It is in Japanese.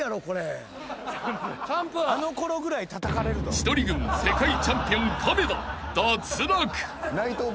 ［千鳥軍世界チャンピオン亀田脱落］